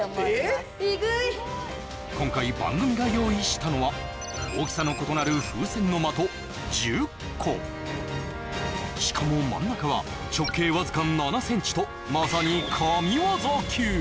エグい今回番組が用意したのは大きさの異なる風船の的１０個しかも真ん中は直径わずか７ｃｍとまさに神業級